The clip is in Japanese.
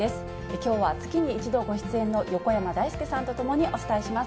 きょうは月に１度ご出演の横山だいすけさんと共にお伝えします。